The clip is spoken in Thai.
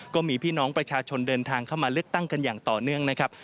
ก็มีพี่น้องประชาชนเดินทางเข้ามาเลือกตั้งกันอย่างต่อเนื่องนะครับ